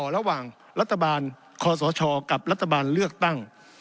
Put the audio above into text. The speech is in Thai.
ระหว่างรัฐบาลคอสชกับรัฐบาลเลือกตั้ง